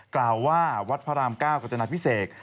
กล่าวว่าวัดพระราม๙กัจจนาพิเศษ